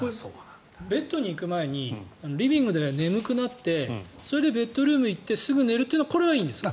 ベッドに行く前にリビングで眠くなってそれでベッドルームに行ってすぐ寝るというのはいいんですか？